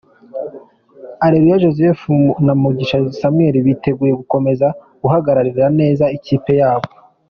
Areruya Joseph na Mugisha Samuel biteguye gukomeza guhagararira neza ikipe yabo.